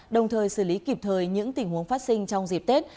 đồng thời xử lý kịp thời những tình huống phát sinh trong dịp tết